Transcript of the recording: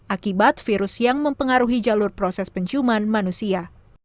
akibat virus yang mempengaruhi jalur proses penciuman manusia